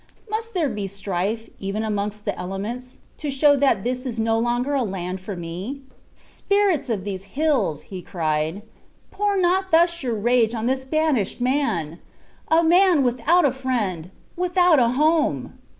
"Must there be strife, even amongst the elements, to show that this is no longer a land for me? Spirits of these hills," cried he, "pour not thus your rage on a banished man! A man without a friend, without a home."